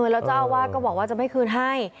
แล้วเจ้าอาวาสก็บอกว่าจะไม่คืนให้